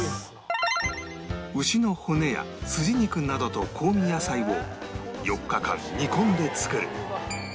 牛の骨やスジ肉などと香味野菜を４日間煮込んで作る